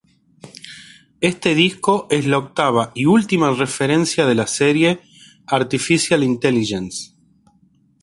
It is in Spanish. Este disco es la octava y última referencia de la serie "Artificial Intelligence".